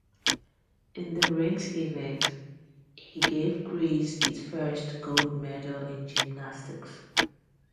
In the rings event, he gave Greece its first gold medal in gymnastics.